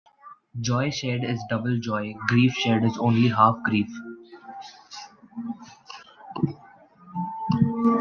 Joy shared is double joy; grief shared is only half grief.